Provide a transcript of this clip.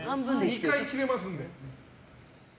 ２回切れますんで。